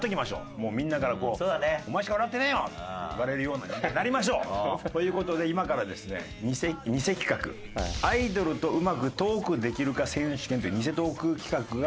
もうみんなからこう「お前しか笑ってねえよ！」って言われるような人間になりましょう！という事で今からですね偽企画アイドルとうまくトークできるか選手権という偽トーク企画が。